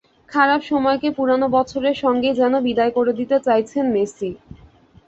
খারাপ সময়কে পুরোনো বছরের সঙ্গেই যেন বিদায় করে দিতে চাইছেন মেসি।